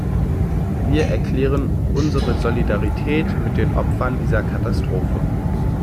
Wir erklären unsere Solidarität mit den Opfern dieser Katastrophe.